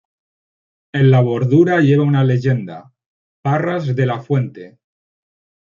En la bordura lleva una leyenda: Parras de la Fuente.